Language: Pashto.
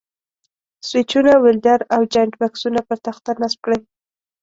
سویچونه، ولډر او جاینټ بکسونه پر تخته نصب کړئ.